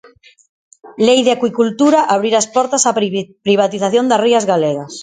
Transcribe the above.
Lei de Acuicultura: abrir as portas á privatización das rías galegas.